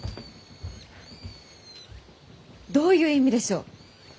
どういう意味でしょう？